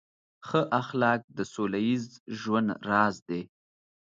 ښه اخلاق د سوله ییز ژوند راز دی.